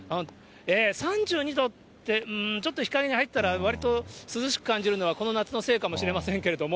３２度って、ちょっと日陰に入ったら、わりと涼しく感じるのはこの夏のせいかもしれませんけれども。